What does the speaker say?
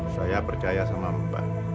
saya percaya sama mbak